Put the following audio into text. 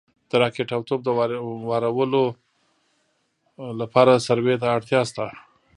د راکټ او توپ د وارولو لپاره سروې ته اړتیا شته